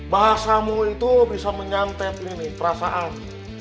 bahasamu itu bisa menyantet ini perasaan